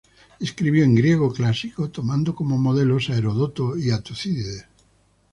Escribió en griego clásico, tomando como modelos a Heródoto y a Tucídides.